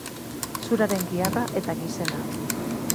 Zuraren giharra eta gizena